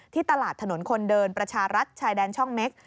ตลาดถนนคนเดินประชารัฐชายแดนช่องเม็ก